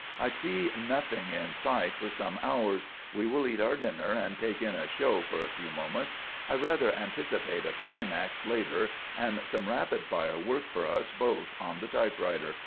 "I see nothing in sight for some hours. We will eat our dinner and take in a show for a few moments. I rather anticipate a climax later and some rapid fire work for us both on the typewriter.